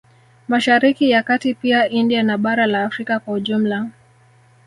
Mashariki ya kati pia India na bara la Afrika kwa Ujumla